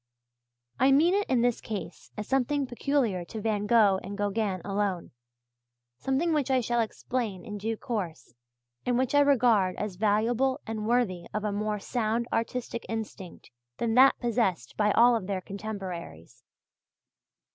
I mean it in this case as something peculiar to Van Gogh and Gauguin alone something which I shall explain in due course and which I regard as valuable and worthy of a more sound artistic instinct than that possessed by all their contemporaries.